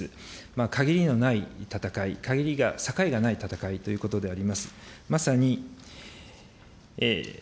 限りのない戦い、限りがない、境がない戦いということであります。